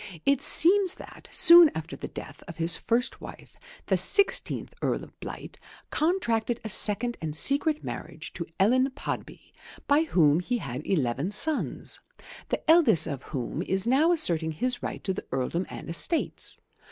It seems that, soon after the death of his first wife, the sixteenth Earl of Blight contracted a second and secret marriage to Ellen Podby, by whom he had eleven sons, the eldest of whom is now asserting his right to the earldom and estates.